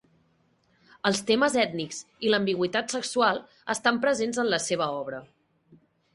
Els temes ètnics i l'ambigüitat sexual estan presents en la seva obra.